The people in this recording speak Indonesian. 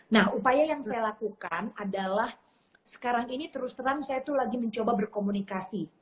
nah upaya yang saya lakukan adalah sekarang ini terus terang saya lagi mencoba berkomunikasi